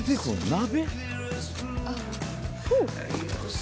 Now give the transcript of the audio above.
鍋？